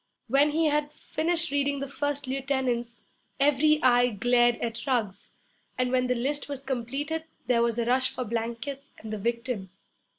When he had finished reading the first lieutenants every eye glared at Ruggs; and when the list was completed there was a rush for blankets and the victim.